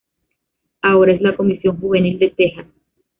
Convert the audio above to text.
Ahora es la Comisión Juvenil de Texas.